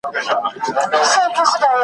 د مور ورځ